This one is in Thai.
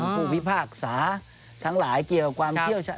ผู้พิพากษาทั้งหลายเกี่ยวกับความเชี่ยวชาญ